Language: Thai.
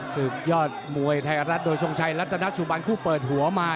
ศึกยอดมวยไทยรัฐโดยทรงชัยรัตนสุบันคู่เปิดหัวมา